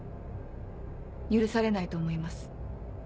許されないと思います。